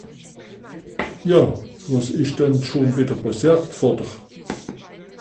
Ja, wàs ìsch denn schùn wìdder pàssiert, Vàter ?